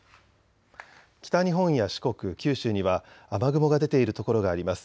北日本や四国、九州には雨雲が出ている所があります。